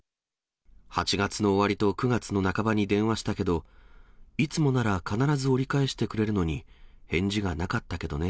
８月の終わりと９月の半ばに電話したけど、いつもなら必ず折り返してくれるのに、返事がなかったけどね。